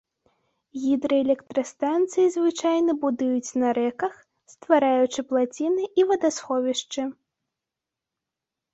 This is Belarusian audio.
Гідраэлектрастанцыі звычайна будуюць на рэках, ствараючы плаціны і вадасховішчы.